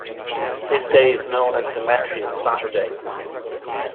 This day is known as Demetrius Saturday.